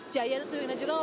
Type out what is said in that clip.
jaya resuing dan juga wahana